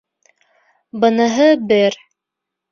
Быныһы —бер.